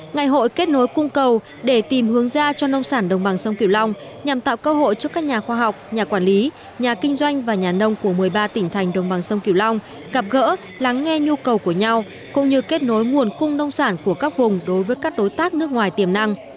ngày hội kết nối cung cầu để tìm hướng ra cho nông sản đồng bằng sông kiều long nhằm tạo cơ hội cho các nhà khoa học nhà quản lý nhà kinh doanh và nhà nông của một mươi ba tỉnh thành đồng bằng sông kiều long gặp gỡ lắng nghe nhu cầu của nhau cũng như kết nối nguồn cung nông sản của các vùng đối với các đối tác nước ngoài tiềm năng